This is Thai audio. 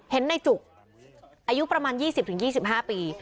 เห็นในจุกอายุประมาณ๒๐๒๕ปี